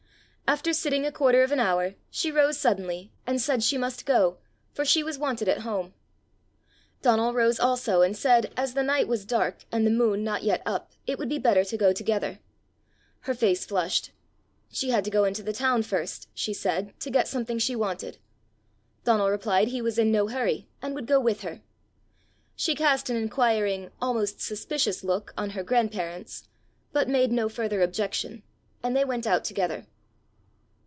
After sitting a quarter of an hour, she rose suddenly, and said she must go, for she was wanted at home. Donal rose also and said, as the night was dark, and the moon not yet up, it would be better to go together. Her face flushed: she had to go into the town first, she said, to get something she wanted! Donal replied he was in no hurry, and would go with her. She cast an inquiring, almost suspicious look on her grandparents, but made no further objection, and they went out together.